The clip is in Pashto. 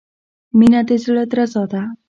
• مینه د زړۀ درزا ده.